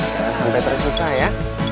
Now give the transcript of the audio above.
kita sampai tersusah ya